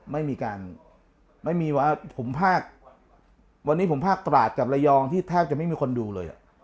ไม่มีการไม่มีว่าผมภาควันนี้ผมภาคตราดกับระยองที่แทบจะไม่มีคนดูเลย